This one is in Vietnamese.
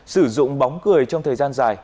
sử dụng bóng cười trong thời gian dài